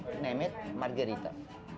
dengan amal amal margarita